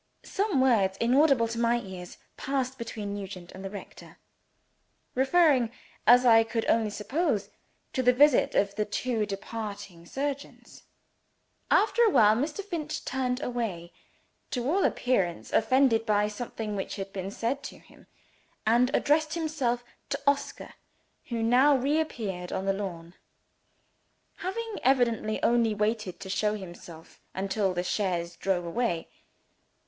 Some words, inaudible to my ears, passed between Nugent and the rector referring, as I could only suppose, to the visit of the two departing surgeons. After awhile, Mr. Finch turned away (to all appearance offended by something which had been said to him), and addressed himself to Oscar, who now reappeared on the lawn; having evidently only waited to show himself, until the chaise drove away.